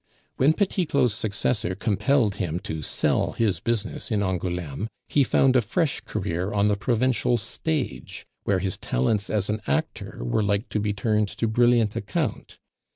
When Petit Claud's successor compelled him to sell his business in Angouleme, he found a fresh career on the provincial stage, where his talents as an actor were like to be turned to brilliant account.